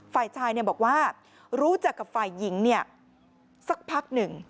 ฝ่ายชายบอกว่ารู้จักกับฝ่ายหญิงสักพักหนึ่ง